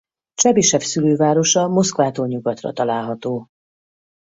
Csebisev szülővárosa Moszkvától nyugatra található.